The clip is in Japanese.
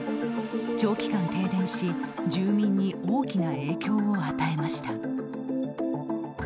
長期間停電し住民に大きな影響を与えました。